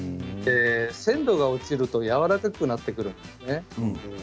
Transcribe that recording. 鮮度が落ちるとやわらかくなってくるんですね。